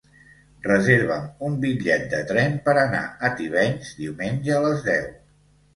Reserva'm un bitllet de tren per anar a Tivenys diumenge a les deu.